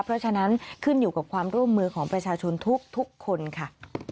เพราะฉะนั้นขึ้นอยู่กับความร่วมมือของประชาชนทุกคนค่ะ